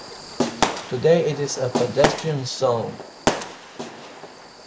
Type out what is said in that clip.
Today, it is a pedestrian zone.